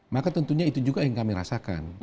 maka tentunya itu juga yang kami rasakan